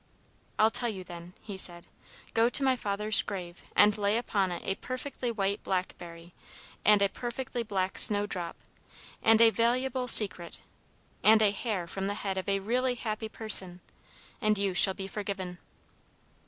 "'I'll tell you, then,' he said. 'Go to my father's grave, and lay upon it a perfectly white blackberry, and a perfectly black snowdrop, and a valuable secret, and a hair from the head of a really happy person, and you shall be forgiven!'